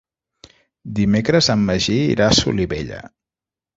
Dimecres en Magí irà a Solivella.